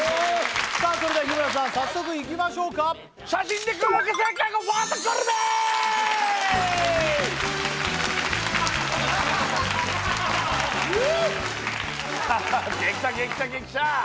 さあそれでは日村さん早速いきましょうかははっ激写激写激写！